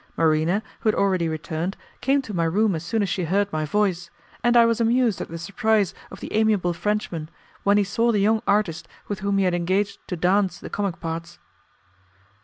Marina, who had already returned, came to my room as soon as she heard my voice, and I was amused at the surprise of the amiable Frenchman, when he saw the young artist with whom he had engaged to dance the comic parts.